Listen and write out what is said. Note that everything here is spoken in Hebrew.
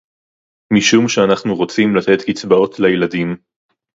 משום שאנחנו רוצים לתת קצבאות לילדים